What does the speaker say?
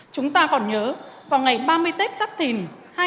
chúng ta còn nhớ vào ngày ba mươi tết giáp thìn hai nghìn hai mươi bốn